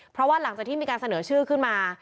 เพราะว่าหลังจากที่มีการเสนอชื่อขึ้นมา